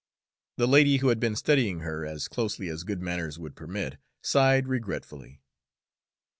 The lady, who had been studying her as closely as good manners would permit, sighed regretfully.